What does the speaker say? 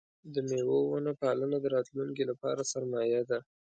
د مېوو ونه پالنه د راتلونکي لپاره سرمایه ده.